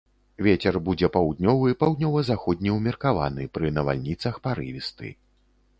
Вецер будзе паўднёвы, паўднёва-заходні ўмеркаваны, пры навальніцах парывісты.